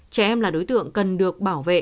trẻ em là đối tượng cần được bảo vệ